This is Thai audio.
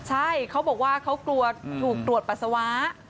ใช่เขาบอกว่าเขากลัวถูกตรวจปัสสาวะ